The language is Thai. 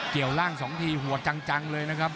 เกี่ยวร่าง๒ทีหัวจังเลยนะครับ